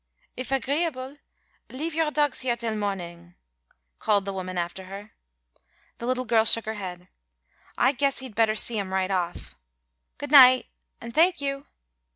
"If agreeable leave your dogs here till mornin'," called the woman after her. The little girl shook her head. "I guess he'd better see 'em right off. Good night, an' thank you."